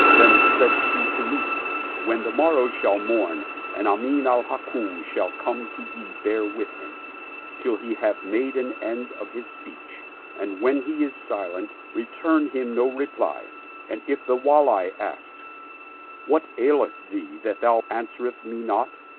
Then said she to me, " When the mor row shall morn and Amin al Hukm shall come to thee bear with him till he have made an end of his speech, and when he is silent, return him no reply; and if the Wali ask: What aileth thee that thou answerest me not?